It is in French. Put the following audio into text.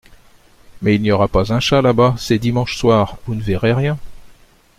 Mais il n’y aura pas un chat, là-bas, c’est dimanche soir, vous ne verrez rien.